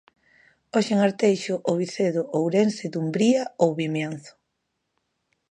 Hoxe en Arteixo, O Vicedo, Ourense, Dumbría ou Vimianzo.